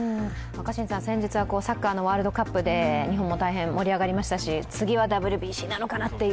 先日はサッカーのワールドカップで日本も大変盛り上がりましたし次はＷＢＣなのかなという。